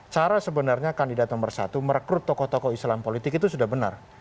cara sebenarnya kandidat nomor satu merekrut tokoh tokoh islam politik itu sudah benar